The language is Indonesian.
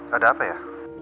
ada apa ya